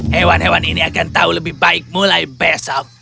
hewan hewan ini akan tahu lebih baik mulai besok